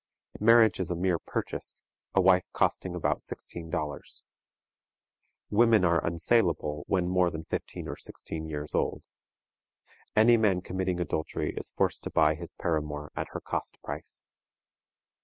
Marriage is a mere purchase, a wife costing about sixteen dollars. Women are unsalable when more than fifteen or sixteen years old. Any man committing adultery is forced to buy his paramour at her cost price.